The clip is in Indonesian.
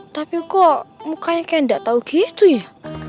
tapi kok mukanya kayak gak tau gitu ya